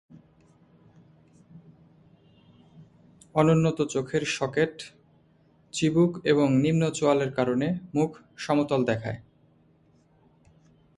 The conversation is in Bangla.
অনুন্নত চোখের সকেট, চিবুক এবং নিম্ন চোয়ালের কারণে মুখ সমতল দেখায়।